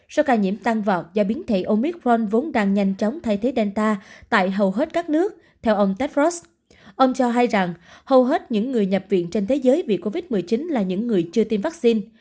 số ca nhiễm tăng vọt do biến thể omicron vốn đang nhanh chóng thay thế delta tại hầu hết các nước theo ông tedford ông cho hay rằng hầu hết những người nhập viện trên thế giới vì covid một mươi chín là những người chưa tiêm vaccine